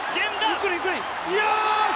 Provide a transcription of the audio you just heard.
ゆっくりゆっくり！よーし！